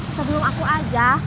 sebelum aku ajak